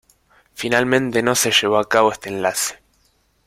Finalmente no se llevó a cabo este enlace.